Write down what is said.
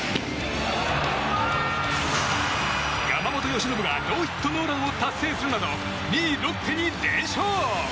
山本由伸がノーヒットノーランを達成するなど２位、ロッテに連勝。